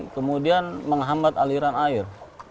kemudian menghambat aliran air